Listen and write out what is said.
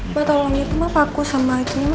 mbak tolong itu mbak aku sama ibu